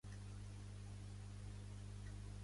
El jovent pateix pel canvi climàtic.